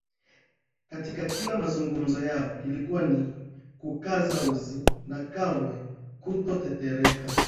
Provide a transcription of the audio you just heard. Katika kila mazungumzo yao ilikuwa ni kukaza uzi na kamwe kutotetereka